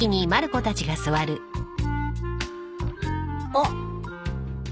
あっ。